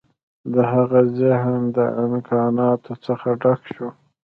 د هغه ذهن د امکاناتو څخه ډک شو